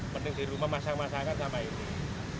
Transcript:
penting di rumah masak masakan sampai ini